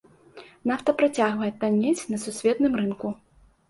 Нафта працягвае таннець на сусветным рынку.